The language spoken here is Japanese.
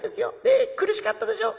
ねえ苦しかったでしょ？